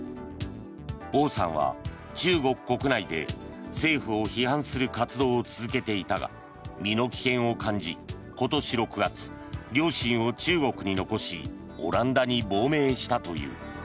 オウさんは中国国内で政府を批判する活動を続けていたが身の危険を感じ、今年６月両親を中国に残しオランダに亡命したという。